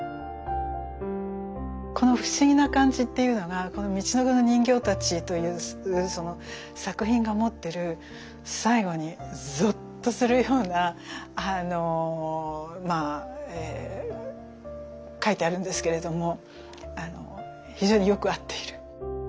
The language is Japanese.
この不思議な感じっていうのがこの「みちのくの人形たち」というその作品が持ってる最後にゾッとするようなあのまあええ書いてあるんですけれども非常によく合っている。